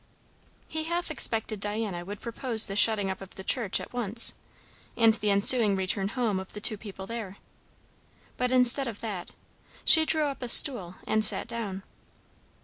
He half expected Diana would propose the shutting up of the church at once, and the ensuing return home of the two people there; but instead of that, she drew up a stool and sat down.